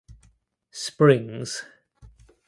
Springs.